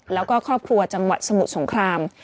แล้วก็ครอบครัวจังหวัดสมุทรสงคราม